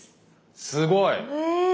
すごい！え